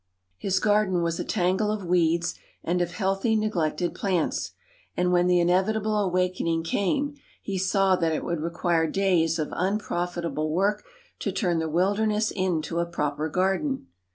His garden was a tangle of weeds and of healthy, neglected plants, and when the inevitable awakening came he saw that it would require days of unprofitable work to turn the wilderness into a proper garden.